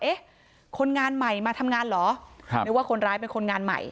คนงานใหม่มาทำงานเหรอนึกว่าคนร้ายเป็นคนงานใหม่